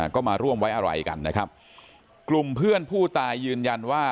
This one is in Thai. ก็มาร่วมไว้อะไรกันนะครับกลุ่มเพื่อนผู้ตายยืนยันว่า